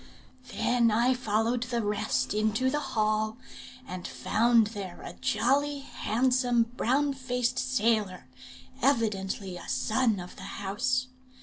Then I followed the rest into the hall, and found there a jolly, handsome, brown faced sailor, evidently a son of the house.